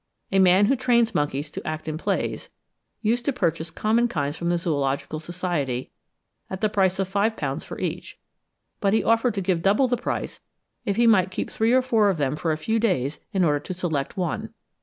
A man who trains monkeys to act in plays, used to purchase common kinds from the Zoological Society at the price of five pounds for each; but he offered to give double the price, if he might keep three or four of them for a few days, in order to select one.